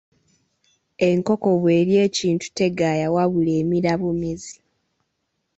Enkoko bw'erya ekintu tegaaya wabula emira bumizi.